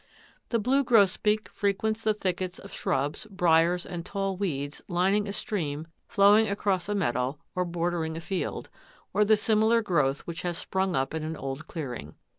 The blue grosbeak frequents the thickets of shrubs, briars and tall weeds lining a stream flowing across a meadow or bordering a field, or the similar growth which has sprung up in an old clearing.